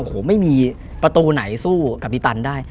โอ้โหไม่มีประตูไหนสู้กับบิตันได้